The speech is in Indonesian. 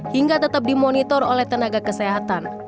hingga tetap dimonitor oleh tenaga kesehatan